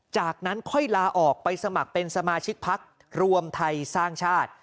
จากนั้นค่อยลาออกไปสมัครเป็นสมาชิกพักรวมไทยสร้างชาติ